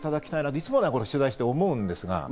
いつも取材して思うんですが。